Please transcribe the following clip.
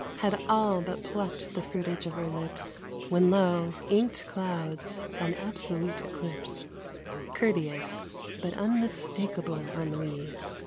Had all but plucked the fruitage of her lips, When, lo! inked clouds and absolute eclipse, Courteous, but unmistakable ennui.